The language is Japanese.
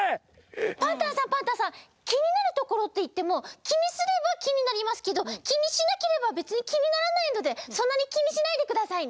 パンタンさんパンタンさんきになるところっていってもきにすればきになりますけどきにしなければべつにきにならないのでそんなにきにしないでくださいね。